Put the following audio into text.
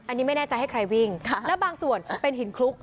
อันนี้ไม่แน่ใจให้ใครวิ่งและบางส่วนเป็นหินคลุก